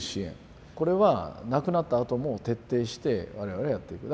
これは亡くなったあとも徹底して我々はやってきた。